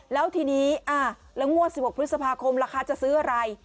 แล้วทีนี้แล้วงวด๑๖พฤษภาคมราคาจะซื้ออะไร